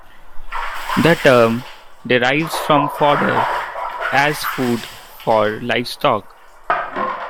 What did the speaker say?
The term derives from fodder, as food for livestock.